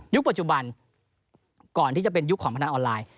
ปัจจุบันก่อนที่จะเป็นยุคของพนันออนไลน์